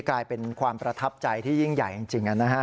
กลายเป็นความประทับใจที่ยิ่งใหญ่จริงนะฮะ